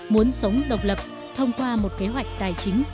muốn sống độc lập thông qua một kế hoạch tài chính